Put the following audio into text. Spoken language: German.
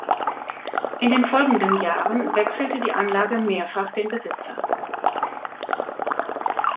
In den folgenden Jahren wechselte die Anlage mehrfach den Besitzer.